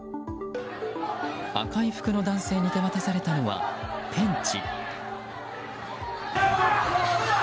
赤い服の男性に手渡されたのはペンチ。